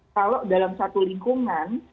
kalau dalam satu lingkungan